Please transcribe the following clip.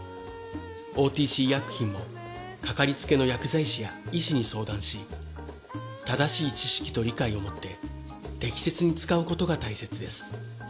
ＯＴＣ医薬品もかかりつけの薬剤師や医師に相談し正しい知識と理解をもって適切に使うことが大切です。